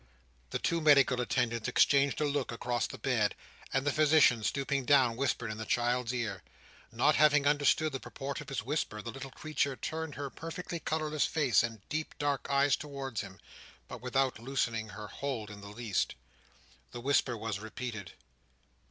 The two medical attendants exchanged a look across the bed; and the Physician, stooping down, whispered in the child's ear. Not having understood the purport of his whisper, the little creature turned her perfectly colourless face and deep dark eyes towards him; but without loosening her hold in the least. The whisper was repeated.